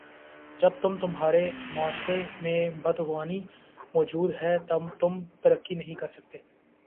جب تم ہمارے معاشرے میں بدعنوانی موجود ہے ہم ترقی نہیں کرسکتے